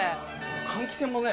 換気扇もね。